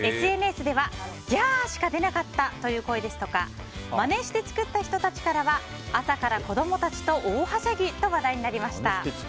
ＳＮＳでは、ギャー！しか出なかったという声ですとかまねして作った人たちからは朝から子供たちと大はしゃぎと話題になりました。